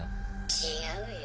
違うよ。